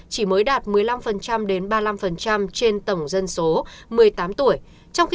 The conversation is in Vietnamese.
chỉ mới đạt một mươi năm ba mươi năm trên tổng dân